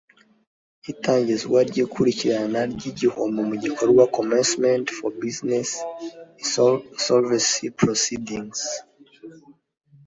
itangizwa ry ikurikirana ry igihombo mu gikorwa commencement for business insolvency proceedings